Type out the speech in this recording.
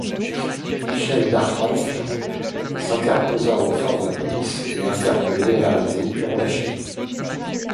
Michel d’Arcangues s’interposant aux forces de police, est interpellé et arrêté, puis relâché.